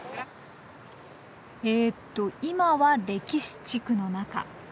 えっと今は歴史地区の中。